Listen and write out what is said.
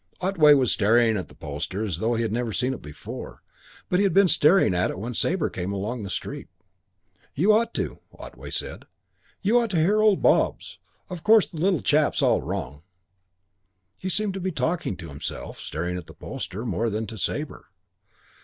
Otway was staring at the poster as though he had never seen it before; but he had been staring at it when Sabre came along the street. "You ought to," Otway said. "You ought to hear old Bobs. Of course the little chap's all wrong." He seemed to be talking to himself, staring at the poster, more than to Sabre.